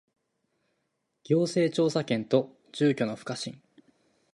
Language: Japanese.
行政調査権と住居の不可侵